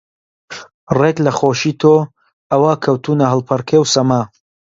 ڕێک لە خۆشی تۆ ئەوا کەوتوونە هەڵپەڕکێ و سەما